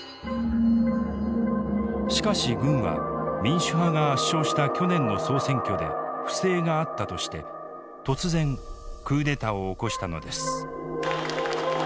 しかし軍は民主派が圧勝した去年の総選挙で不正があったとして突然クーデターを起こしたのです。